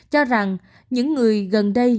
cho rằng những người gần đây